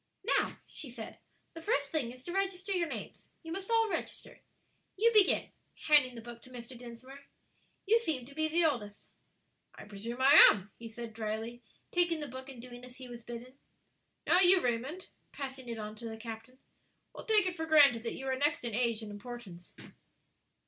"Now," she said, "the first thing is to register your names. You must all register. You begin," handing the book to Mr. Dinsmore, "you seem to be the oldest." "I presume I am," he said, dryly, taking the book and doing as he was bidden. "Now, you, Raymond," passing it on to the captain, "we'll take it for granted that you are next in age and importance."